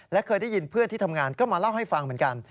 และเคยได้ยินเพื่อนที่ทำงานก็มาเล่าให้ฟังเหมือนกัน